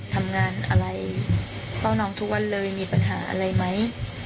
ทำงานอะไรเฝ้าน้องทุกวันเลยมีปัญหาอะไรไหม